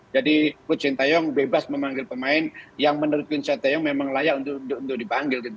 jadi kocintayong bebas memanggil pemain yang menurut kocintayong memang layak untuk dipanggil gitu